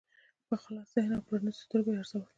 په خلاص ذهن او پرانیستو سترګو یې ارزول.